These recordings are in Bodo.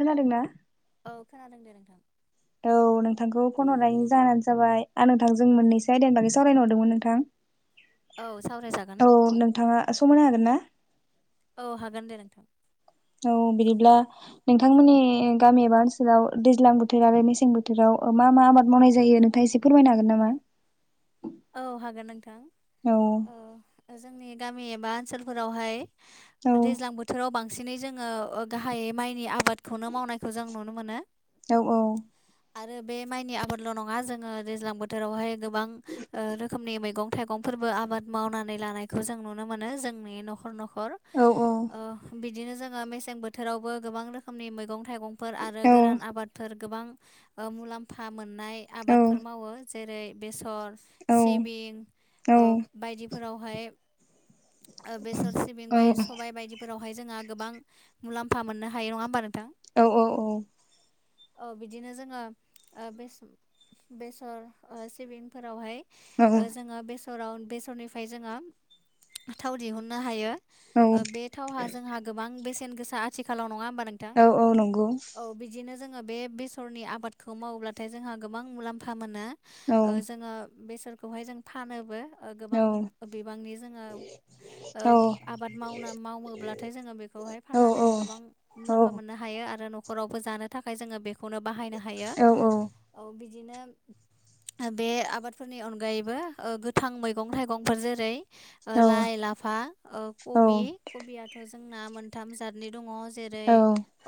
खोनादोंना? औ खोनादों दे नोंथां। औ नोंथांखौ फन हरनायनि जाहोनानो जाबाय आं नोंथां जों मोन्नैसो आदेननि बागै सावरायनो हरदोंमोन नोंथां। औ सावरायजागोन औ नोंथाङा समायना हागोन ना? औ हागोन दे नोंथां। औ बिदिब्ला नोंथांमोननि गामि एबा ओनसोलाव दैज्लां बोथोर आरो मेसें बोथोराव मा मा आबाद मावनाय जायो। नोंथाङा एसे फोरमायनो हागोन नामा? औ हागोन नोंथां। औ औ जोंनि गामि एबा ओनसोलफोरावहाय औ दैज्लां बोथोराव बांसिनै जोङो गाहाइयै माइनि आबाद बेखौनो मावनायखौ जों नुनो मोनो। औ। आरो बे माइनि आबादल' नङा जोङो दैज्लां बोथोरावहाय गोबां रोखोमनि मैगं थाइगंफोरबो आबाद मावनानै लानायखौ जों नुनो मोनो। जोंनि न'खर न'खर औ औ। ओ बिदिनो जोङो मेसें बोथोरावबो गोबां रोखोमनि मैगं-थाइगं फोर आरो औ गोरान आबादफोर गोबां मुलाम्फा मोननाय औ आबादफोर मावो। जेरै- बेसर, औ सिबिं बायदि फोरावहाय बेसर सिबिंबाय सबाइ बायदि फोरावहाय जोंहा गोबां मुलाम्फा मोननो हायो नङा होमबा नोंथां। औ औ औ। औ बिदिनो जोङो बे बेसर सिबिंफोरावहाय ओ जोङो बेसराव बेसरनिफ्राय जोङो थाव दिहुननो हायो। औ बे थावहा जोंहा गोबां बेसेन गोसा आथिखालाव नङा होमबा नोंथां। औ बिदिनो जोङो बे बेसरनि आबादखौ मावोब्लाथाय जोंहा गोबां मुलाम्फा मोनो। औ ओ जोङो बेसोरखौहाय जों फानोबो ओ औ गोबां बिबांनि जोङो ओ औ आबाद मावना मावोब्लाथाय जोङो बेखौहाय औ फाननानैबो गोबां मुलाम्फा मोननो हायो आरो न'खरावबो जानो थाखाय जोङो बेखौनो बाहायनो हायो। औ बिदिनो बे आबाद फोरनि अनगायैबो गोथां मैगं थाइगंफोर जेरै ओ लाइ, लाफा ओ औ खबि खबियाथ' जोंना मोन थाम जाथनि दङ जेरै औ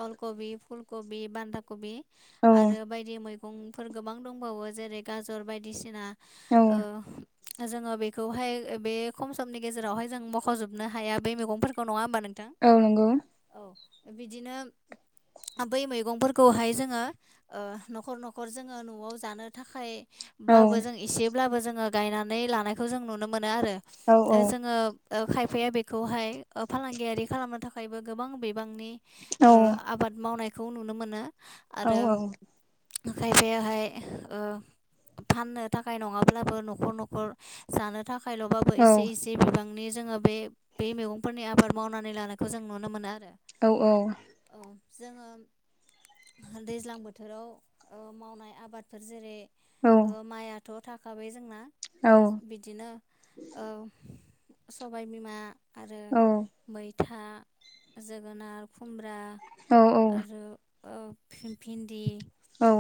अलकबि, फुलकबि, बान्दा कबि औ आरो बायदि मैगंफोर गोबां दंबावो जेरै गाजर बायदिसिना औ ओ जोङो बेखौहाय बे खम समनि गेजेरावहाय जों मख'जोबनो हाया बे मैगंफोरखौ नङा होमबा नोंथां। औ नंगौ। औ बिदिनो बै मैगंफोरखौहाय जोङो ओ न'खर न'खर जोङो न'आव जानो थाखाय औ ब्लाबो जों एसेब्लाबो जोङो गायनानै लानायखौ जों नुनो मोनो आरो औ ओ जोङो ओ खायफाया बेखौहाय ओ फालांगियारि खालामनो थाखायबो गोबां बिबांनि औ ओ आबाद मावनायखौ नुनो मोनो औ आरो खायफायाहाय ओ फाननो थाखाय नङाब्लाबो न'खर न'खर जानो थाखायल'बाबो औ एसे एसे जे बिबांनि जोङो बे बे मैगंफोरनि आबाद मावनानै लानायखौ जों नुनो मोनो। आरो औ औ। ओ जोङो दैज्लां बोथोराव ओ मावनाय आबादफोर जेरै औ ओ माइआथ' थाखाबाय जोंना औ ओ बि दिनो औ सबायबिमा आरो मैथा, जोगोनार, खुमब्रा औ औ। आरो ओ फि भिन्दि,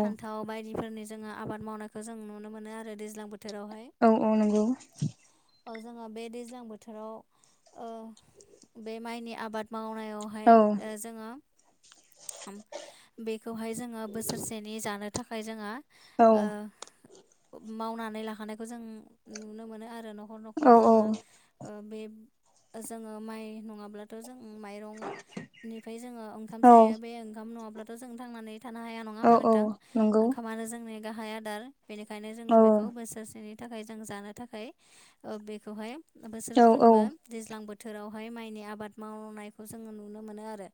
फान्थाव बायदिफोरनि जोङो आबाद मावनायखौ जों नु नो मोनो आरो दैज्लां बोथोरावहाय। औ औ नंगौ। ओ जोङो बे दैज्लां बोथोराव ओ बे माइनि आबाद मावनायावहाय ओ जोङो अम बेखौहाय जोङो बोसोरसेनि जानो थाखाय जोङो ओ मावनानै लाखानायखौ जों नुनो मोनो आरो न'खर औ न'खर जोङो। ओ बे जोङो माइ नङाब्ला थ' जों माइरंनिफ्राय जोङो ओंखाम जायो औ बे ओंखाम नङाब्लाथ' जों थांनानै थानो हाया नङा औ होमबा नोंथां। नंगौ ओंखामानो जोंनि गाहाय आदार बेनिखायनो जोङो बेखौ बोसोरसेनि थाखाय जों जानो थाखाय ओ बेखौहाय बोसोरफ्रोमबो दैज्लां बोथोरावहाय माइनि आबाद मावनायखौ जोङो नुनो मोनो। आरो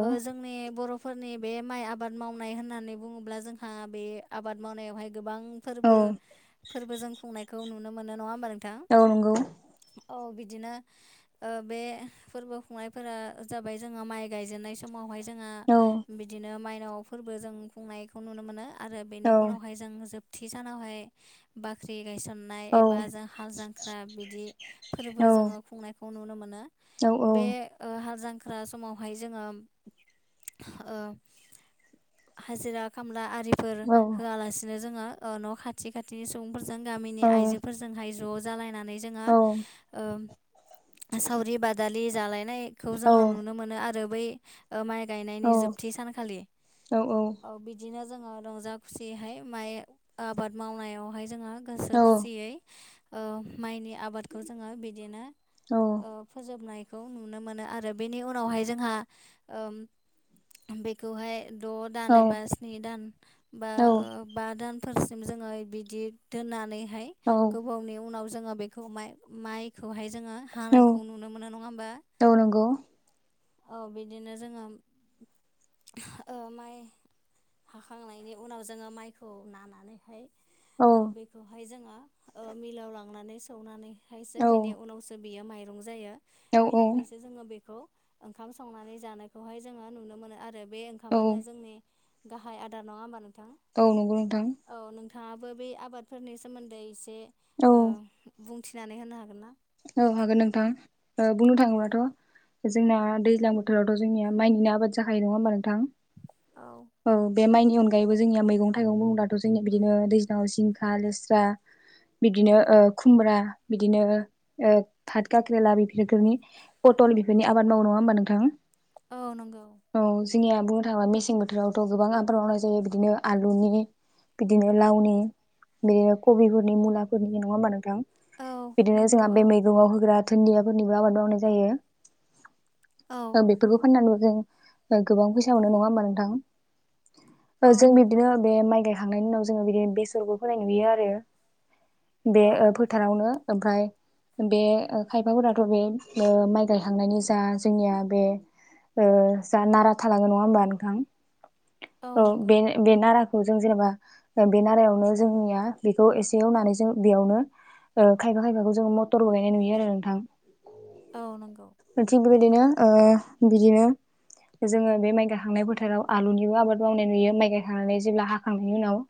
ओ जों नि बर'फोरनि बे माइ आबाद मावनाय होननानै बुङोब्ला जोंहा बे आबाद मावनायावहाय गोबां औ फोरबो फोरबो जों खुंनायखौ नुनो मोनो नङा होमबा औ नोंथां। औ नंगौ। औ बिदिनो ओ बे फोरबो खुंनायफोरा जाबाय जोङो माइ गायजेननाय स मावहाय जोङो औ बिदिनो मायनाव फोरबो जों खुंनायखौ नुनो मोनो आरो बेनि औ उनावहाय जों जोबथि सानावहाय बाख्रि गायसन नाय औ एबा जों हाल जांख्रा बिदि फोरबो जोंङो खुंनायखौ नुनो मोनो। औ बे ओ हाल जांख्रा समावहाय जोंङो ओ हाजिरा खामला आरि फोर होआलासिनो जोंङो ओ न' खाथि खाथिनि सुबुंफोरजों गामिनि आइजोफोरजोंहाय ज' जालायनानै जोंङो ओ सावरि बादालि जालायनाय खौ जोंङो नुनो मोनो आरो बै ओ माइ गायनायनि जोबथि सानखालि। औ बि बिदिनो जोंङो रंजा खुसियैहाय माइ आबाद मावनायावहाय जोंङो गोसो खुसियै ओ माइनि आबादखौ जोंङो बिदिनो ओ फोजोबनायखौ नुनो मोनो आरो बेनि उनावहाय जोंहा ओम बेखौहाय द' दान एबा स्नि दान बा ओ बा दान फोरसिम जोंङो बिदि दोननानैहाय औ गोबावनि उनाव जोंङो बेखौ माइ माइखौहाय जोंङो हानायखौ नुनो मोनो नंङा होमबा? औ नंगौ औ बिदिनो जोंङो ओ माइ हाखांनायनि उनाव जोंङो माइखौ नाना नानैहाय औ बेखौहाय जोंङो मिलाव लांनानै सौनानै फ्रायसो बेनि उनावसो बियो माइरं जायो। औ औ बेनिफ्रायसो जोंङो बेखौ ओंखाम संनानै जानायखौहाय जोंङो नुनो मोनो आरो बे औ ओंखामानो जोंनि गाहाय आदार नंङा होमबा नोंथां। औ नंगौ नोंथां। औ नोंथांङाबो बे आबादफोरनि सोमोन्दै एसे औ ओ बुंथिनानै होनो हागोन ना? औ हागोन नोंथां। ओ बुंनो थांङोब्लाथ' जोंना दैज्लां बोथोरावथ' जोंनिया माइनिनो आबाद जाखायो नंङा होमबा नोंथां? औ औ। बे माइनि अनगायैबो जोंनिया मैगं थाइगं बुंब्लाथ' जोंनिया बिदिनो दैज्लांङाव जिंखा लेस्रा बिदिनो ओ खुमब्रा बिदिनो ओ फात खाख्रेला बेफोरनि पटल बेफोरनि आबाद मावो नंङा होमबा नोंथांन? औ नंगौ। औ जोंनिया बुंनो थांङोबा मेसें बोथोरावथ' गोबां आबाद मावनाय जायो। बिदिनो आलुनि बिदिनो लावनि बे कबिफोरनि मुलाफोरनि नंङा होमबा नोंथां? औ नंगौ औ। दुंङाव होग्रा धुनदियाफोरनिबो आबाद मावनाय जायो। ओं औ बेफोरखौ फाननानैबो जों गोबां फैसा मोनो नंङा होमबा नोंथां? औ ओ जों नंगौ बिब्दिनो बे माइ गाय थांनायनि उनाव जो बिदिनो बेसरखौ फोनाय नुयो आरो बे ओ औ फो थारावनो ओमफ्राय बे ओ खायफाफोराथ' बे माइ गायखांनायनि जा जोंनिया बे ओ जा नारा थांलाङो नंङा होमबा नोंथां औ बे बे नाराखौ जों जेनेबा ओ बे नारायावनो जोंनिया बेखौ एसे एवनानै जों बेयावनो ओ खायफा खायफाखौ जोंङो मटरबो गायनाय नुयो आरो नोंथां। औ नंगौ। थिग बेबायदिनो ओ बिदिनो जोंङो बे माइ गाखांनाय फोथाराव आलुनिबो आबाद मावनाय नुयो माइ गायाखांनानै जेब्ला हाखांनायनि उनाव।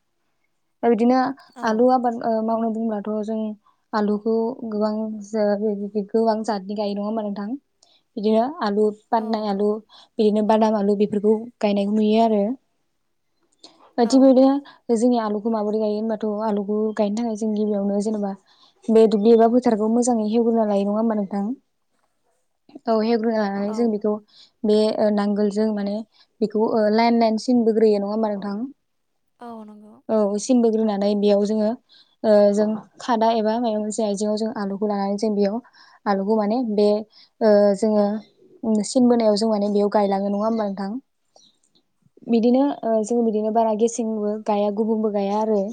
दा बिदिनो औ आलु आबाद ओ मावनो बुंब्लाथ' जों आलुखौ बो गोबां जा गोबां जातनि गायो नंङा होमबा नोंथां। बिदिनो आलु औ पादनाय आलु बिदिनो बादाम आलु बेफोरखौ गायनायखौ नुयो आरो। ओ औ थिग बिब्दिनो जोंनिया आलुखौ माबोरै गायो होनबाथ' आलुखौ गायनो थाखाय जों गिबियावनो जेनेबा बे दुब्लि एबा फोथारखौ मोजाङै हेवग्रोना लायो नङा होमबा नोंथां औ हेवग्रोना औ जों बेखौ बे नांगोलजों माने बेखौ लाइन लाइन सिनबोग्रोयो नङा होमबा नोंथां? औ नंगौ औ सिनबोग्रोनानै बेयाव जोङो ओ जों खादा एबा मायाव जे आइजेंआव जों आलुखौ लानानै जों बेयाव आलुखौ माने बे ओ जोङो सिन बोनायाव जों माने बेयाव गायलाङो नङा होमबा नोंथां? बिदिनो ओ जोङो बिदिनो बारा गेसेंबो गाया गुबुंबो गाया आरो।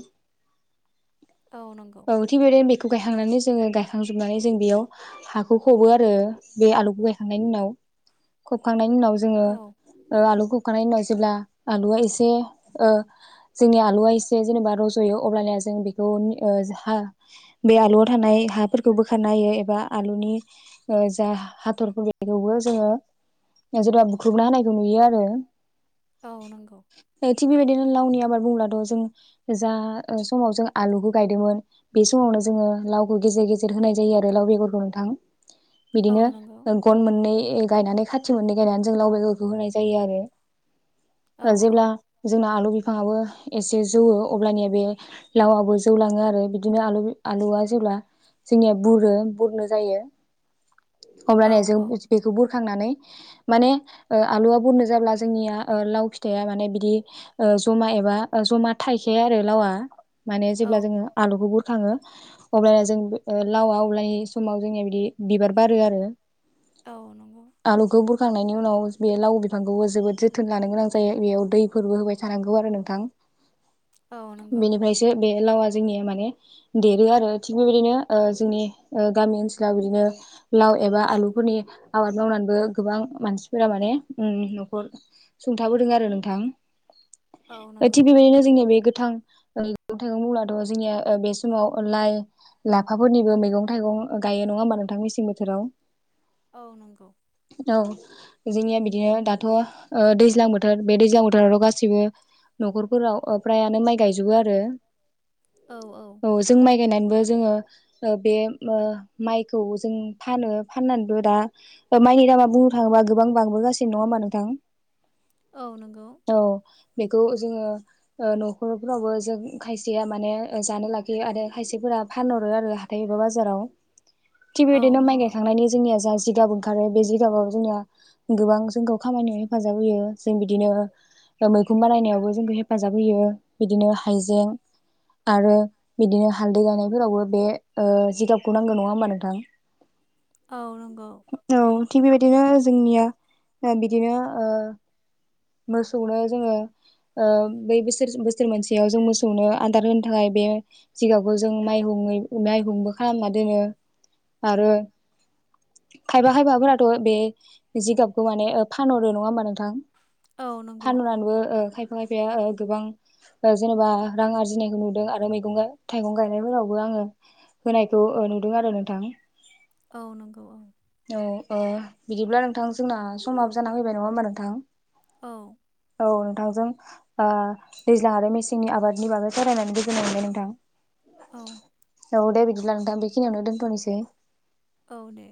औ नंगौ थिग बेबायदिनो बेखौ गायखांनानै जोङो गायखांजोबनानै जों बेयाव हाखौ खबो आरो बे आलुखौ गायखांनायनि उनाव खबखांनायनि उनाव जोङो औ आलुखौ खोखांनायनि उनाव जेब्ला आलुआ एसे ओ जोंनि आलुआ एसे जेनेबा रज'यो अब्लानिया जों बेखौ हा बे आलुआव थानाय हाफोरखौ बोखारना होयो एबा आलुनि ओ जा हाथरफोरखौबो जोङो सोरेबा बुख्रुबना होनायखौ नुयो आरो। औ नंगौ थिग बेबायदिनो लावनि आबाद बुंलाथ' जों जा समाव जों आलुखौ गायदोंमोन बे समावनो जोङो लावखौ गेजेर गेजेर होनाय जायो आरो लाव बेगरखौ नोंथां औ बिदिनो नंगौ गन मोननै गायनानै खाथि मोननै गायनानै जों लाव बेगरखौ होनाय जायो आरो। औ जेब्ला जोंना आलु बिफांआबो एसे जौवो अब्लानिया बे लावाबो जौलाङो आरो बिदिनो आलु आलुआ जेब्ला जोंनिया बुरो बुरनो जायो औ अब्लानिया जों औ बेखौ बुरखांनानै माने आलुवा बुरनो जाब्ला जोंनिया लाव फिथाइया माने बिदि जमा एबा जमा थाइखाया आरो लावआ माने जेब्ला औ जोङो आलुखौ बुरखाङो अब्लाना जों लावा अब्लानि समाव जोंनिया बिदि बिबार बारो आरो औ नंगौ आलुखौ बुरखांनायनि उनाव बे लाव बिफांखौबो जोबोद जोथोन लानो गोनां जायो बेयाव दै फोरबो होबाय थानांगौ आरो नोंथां। औ नंगौ। बेनिफ्रायसो बे लावा जोंनिया माने देरो आरो थिग बेबायदिनो ओ जोंनि गामि ओनसोलाव बिदिनो लाव एबा आलुफोरनि आबाद मावनानैबो गोबां मानसिफोरा माने न'खर सुंथाबोदों आरो नोंथां औ नंगौ थिग बेबायदिनो जोंनिया बे गोथां मैग थाइगं बुङोब्लाथ' जोंनिया बे समाव लाय लाफाफोरनिबो मैगं थाइगं गायो नङा होमबा नोंथां मेसें बोथोराव? औ नंगौ औ जोंनिया बिदिनो दाथ'ओ दैज्लां बोथोर बे दैज्लां बोथोरावथ' गासिबो न'खरफोराव फ्रायानो माइ गायजोबो आरो। औ औ औ जों माइ गायनानैबो जोङो बे माइखौ जों फानो फाननानैबो दा दा माइनि दामा बुंनो थाङोबा गोबांबोगासिनो नङा होनबा नोंथां? औ नोंगौ। औ बेखौ जोङो न'खरफ्रावबो जों खायसेया माने जानो लागि खियो आरो खायसेफोरा फानहरो आरो हाथाय एबा बाजाराव। थिख औ बेबादिनो माइ नंगौ गायखांनायनि जोंनिया जा जिगाब ओं खारो बे जिगाबानो जोंनिया गोबां जोंखौ खामानियाव हेफाजाब होयो। जों बिदिनो मैखुम बानायनायावबो जोंखौ हेफाजाब होयो। बिदिनो हाइजें आरो बिदिनो हालदै गायनायफोरावबो बे जिगाबखौ नांगौ नङा होमबा नोंथां। औ नंगौ। औ थिग बेबायदिनो जोंनिया बिदिनो मोसौनो जोङो बै बोसोर बोसोर मोनसेयाव जों मोसौनो आदार होनो थाखाय बे जिगाबखौ जों माइहुङै माइहुंबो खालामना दोनो आरो खायबा खायफाफोराथ' बे जिगाबखौ माने फानहरो नङा होमबा नोंथां। औ नंगौ फानहरनानैबो ओ खाय फा खायफाया गोबां जेनेबा रां आरजिनायखौ नुदों आरो मैगं गा थाइगं गायनायफोरावबो आङो होनायखौ नुदों आरो नोंथां। औ नंगौ औ। औ औ बिदिब्ला नोंथां जोंना समाब जाना फैबाय नङा होमबा नोंथां। औ। औ नोंथांजों दैज्लां आरो मेसेंनि आबादनि बागै सावरायनानै गोजोननाय मोनबाय नोंथां। औ। औ दे बिदिब्ला नोंथां बेखिनियावनो दोनथ'नोसै। औ दे।